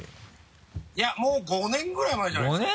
いやもう５年ぐらい前じゃないですか？